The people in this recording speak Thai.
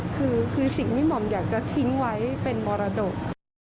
คือสิ่งที่หม่อมอยากจะทิ้งไว้เป็นมรดก